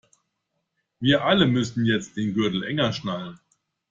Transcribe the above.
Wir alle müssen jetzt den Gürtel enger schnallen.